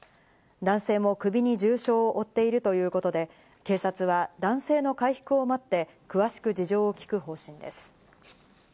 男性も首に重傷を負っているということで、警察は男性の回復を待って詳しく事情を聞く方針です。